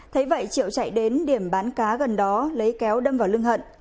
thấy vậy triệu chạy đến điểm bán cá gần đó lấy kéo đâm vào lưng hận